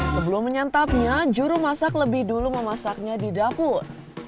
sebelum menyantapnya juru masak lebih dulu memasaknya di dapur